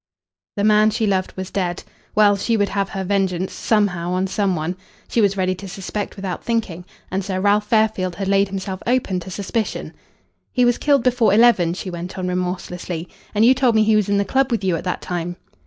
The man she loved was dead. Well, she would have her vengeance somehow, on some one. She was ready to suspect without thinking. And Sir Ralph Fairfield had laid himself open to suspicion. "He was killed before eleven," she went on remorselessly, "and you told me he was in the club with you at that time."